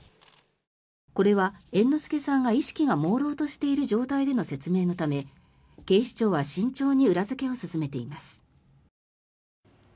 これは猿之助さんが意識がもうろうとしている状態での説明のため警視庁は慎重に裏付けを進めています。